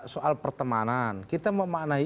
soal pertemanan kita memaknai